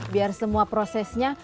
biar semua prosesnya